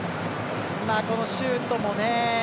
このシュートもね。